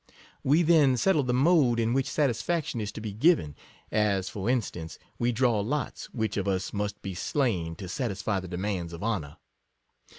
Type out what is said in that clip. We then settle the mode in which satisfaction is to be given; as, for in stance, we draw lots which of us must be slain to satisfy the demands of honour.